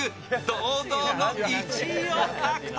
堂々の１位を獲得。